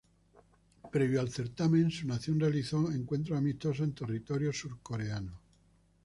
Previo al certamen, su nación realizó encuentros amistosos en territorio surcoreano.